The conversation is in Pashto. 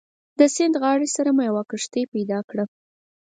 د سیند غاړې سره مو یوه کښتۍ پیدا کړه.